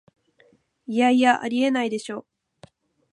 いやいや、ありえないでしょ